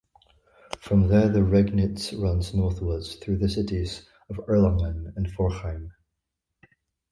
From there the Regnitz runs northwards through the cities of Erlangen and Forchheim.